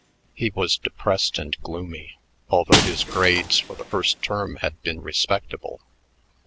He was depressed and gloomy, although his grades for the first term had been respectable.